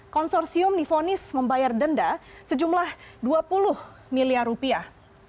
konsorsium difonis membayar denda sejumlah dua puluh miliar rupiah